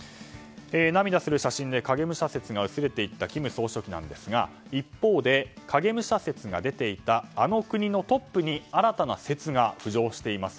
涙する写真で影武者説が薄れていった金総書記なんですが、一方で影武者説が出ていたあの国のトップに新たな説が浮上しています。